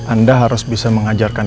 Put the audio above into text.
anda harus bisa mengajarkan